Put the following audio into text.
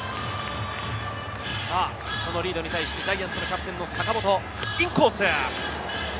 そのリードに対してジャイアンツ・キャプテンの坂本、インコース。